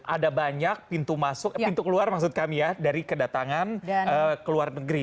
ada banyak pintu keluar dari kedatangan ke luar negeri